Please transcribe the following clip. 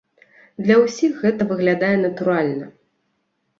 Для ўсіх гэта выглядае натуральна.